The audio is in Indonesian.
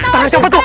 tangan siapa tuh